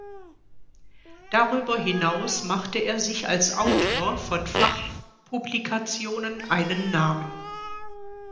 Darüber hinaus machte er sich als Autor von Fachpublikationen einen Namen.